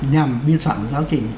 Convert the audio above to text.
nhằm biên soạn một giáo chỉnh